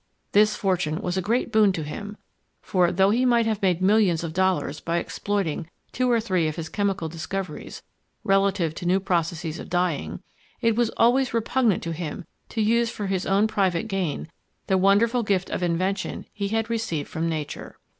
This fortune was a great boon to him; for, though he might have made millions of dollars by exploiting two or three of his chemical discoveries relative to new processes of dyeing, it was always repugnant to him to use for his own private gain the wonderful gift of invention he had received from nature.